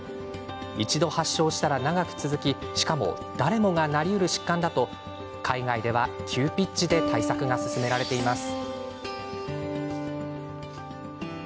一度発症したら長く続きしかも誰もがなりうる疾患だと海外では急ピッチで対策が進められています。